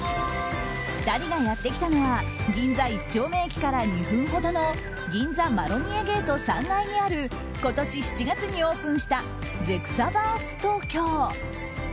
２人がやってきたのは銀座一丁目駅から２分ほどの銀座マロニエゲート３階にある今年７月にオープンしたゼクサバーストウキョウ。